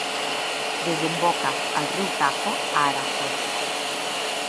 Desemboca al riu Tajo a Aranjuez.